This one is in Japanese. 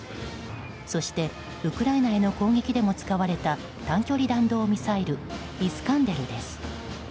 そしてウクライナへの攻撃でも使われた短距離弾道ミサイルイスカンデルです。